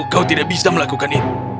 kau tidak bisa melakukan itu